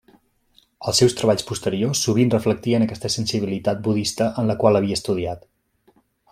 Els seus treballs posteriors sovint reflectien aquesta sensibilitat budista en la qual havia estudiat.